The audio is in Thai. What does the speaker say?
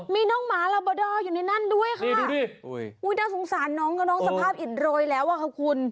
มีน้องหมาลาบออยู่ในนั้นด้วยค่ะอุ้ยน่าสงสารน้องก็น้องสภาพอิดโรยแล้วอะค่ะคุณ